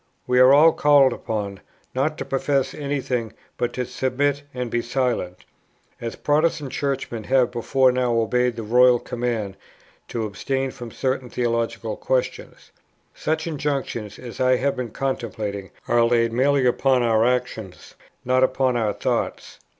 We are called upon, not to profess any thing, but to submit and be silent, as Protestant Churchmen have before now obeyed the royal command to abstain from certain theological questions. Such injunctions as I have been contemplating are laid merely upon our actions, not upon our thoughts.